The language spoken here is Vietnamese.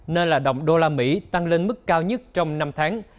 nên là đồng usd tăng lên mức cao nhất trong năm tháng